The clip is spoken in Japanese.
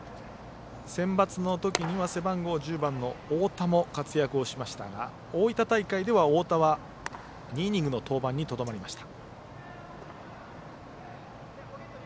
センバツのときには背番号１０番の太田も活躍をしましたが大分大会では太田は２イニングの登板にとどまりました。